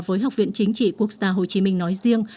với học viện chính trị quốc gia hồ chí minh nói riêng